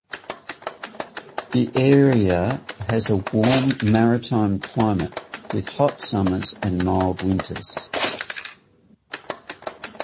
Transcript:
The area has a warm maritime climate with hot summers and mild winters.